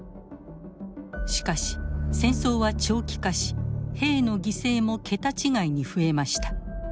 しかし戦争は長期化し兵の犠牲も桁違いに増えました。